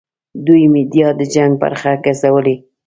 دوی میډیا د جنګ برخه ګرځولې.